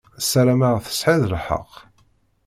Sarameɣ tesεiḍ lḥeqq.